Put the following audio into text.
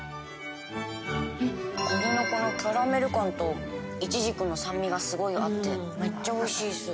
栗のこのキャラメル感とイチジクの酸味がすごい合ってめっちゃおいしいっす。